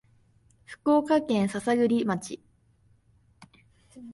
福岡県篠栗町